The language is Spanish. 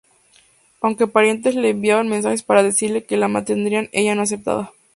Aunque parientes le enviaban mensajes para decirle que la mantendrían ella no aceptaba.